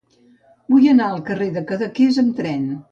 Vull anar al carrer de Cadaqués amb tren.